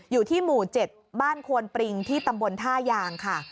อยู่ที่หมู่๗บ้านควนปริงที่ตำบลท่ายางค่ะ